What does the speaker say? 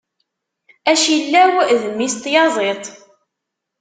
Acillaw d mmi-s n tyaziḍt.